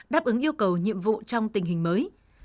đáp ứng yêu cầu nhiệm vụ trong tình hình mới